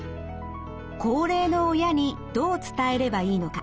高齢の親にどう伝えればいいのか？